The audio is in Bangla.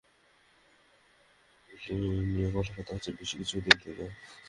জেমস জানিয়েছেন, দুজনের মধ্যে এটা নিয়ে কথাবার্তা হচ্ছে বেশ কিছুদিন থেকে।